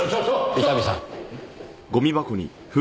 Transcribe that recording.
伊丹さん。